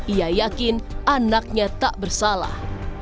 ia yakin anaknya tak bersalah